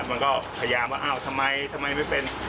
มันก็พยายามว่าอ้าวทำไมทำไมไม่เป็น